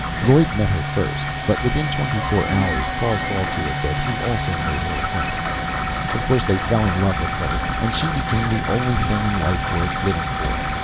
Lloyd met her first, but within twenty four hours Paul saw to it that he also made her acquaintance. Of course, they fell in love with her, and she became the only thing in life worth living for.